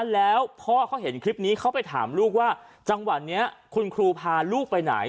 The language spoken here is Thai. แล้วพ่อเขาเห็นคลิปนี้เขาไปถามลูกว่าจังหวัดนี้คุณครูพาลูกไปไหน